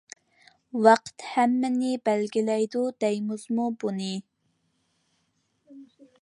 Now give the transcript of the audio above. «ۋاقىت ھەممىنى بەلگىلەيدۇ» دەيمىزمۇ بۇنى؟ !